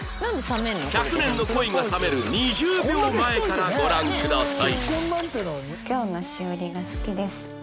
１００年の恋が冷める２０秒前からご覧ください